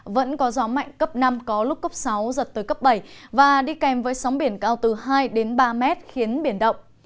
vẫn có gió mạnh cấp năm có lúc cấp sáu giật tới cấp bảy và đi kèm với sóng biển cao từ hai đến ba mét khiến biển động